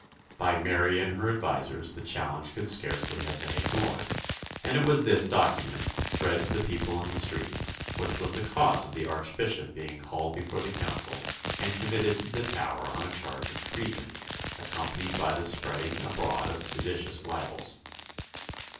By Mary and her advisers the challenge could scarcely have been ignored; and it was this document, read to the people in the streets, which was the cause of the Archbishop being called before the Council and committed to the Tower on a charge of treason accompanied by the spreading abroad of seditious libels.